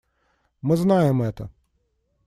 Мы знаем это.